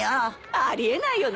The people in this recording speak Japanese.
あり得ないよな。